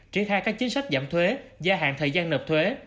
tri khai các chính sách giảm thuế gia hạn thời gian nợp thuế